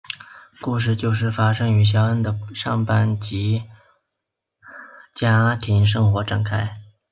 故事就是发生于肖恩的上班以及家庭生活展开。